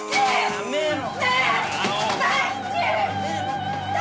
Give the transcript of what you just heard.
やめろ。